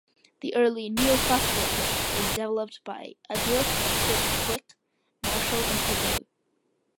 The early "Neoclassical approach" was developed by Edgeworth, Sidgwick, Marshall, and Pigou.